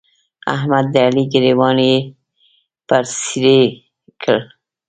احمد د علي ګرېوان پر څيرې کړ.